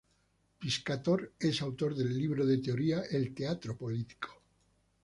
Piscator es autor del libro de teoría "El teatro político".